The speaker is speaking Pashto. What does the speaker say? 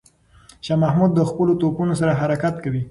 شاه محمود د خپلو توپونو سره حرکت کوي.